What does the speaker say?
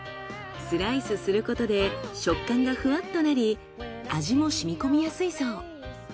スライスすることで食感がフワッとなり味も染み込みやすいそう。